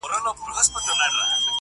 ډېر ناوخته کارګه پوه سو غولېدلی.!